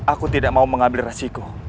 aku tidak mau mengambil resiko